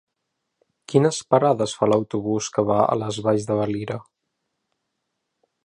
Quines parades fa l'autobús que va a les Valls de Valira?